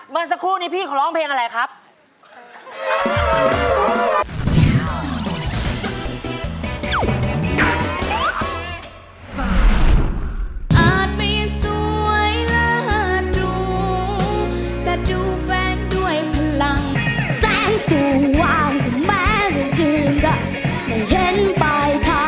สักครู่นี้พี่เขาร้องเพลงอะไรครับ